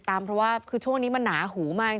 แต่ว่ามันพูดไม่ได้นะ